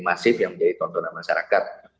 masif yang menjadi tontonan masyarakat